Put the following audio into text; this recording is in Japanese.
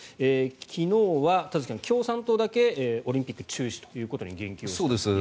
昨日は田崎さん、共産党だけオリンピック中止ということに言及されたという。